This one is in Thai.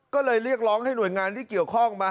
ก็เลยเรียกร้องให้หน่วยงานที่เกี่ยวข้องมา